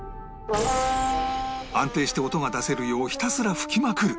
安定して音が出せるようひたすら吹きまくる